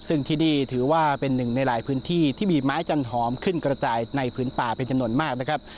ซึ่งที่นี่ถือว่าเป็นหนึ่งในหลายพื้นที่ที่มีไม้จันหอมขึ้นกระจายในพื้นป่าเป็นจำนวนมากนะครับ